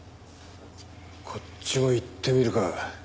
こっちも行ってみるか。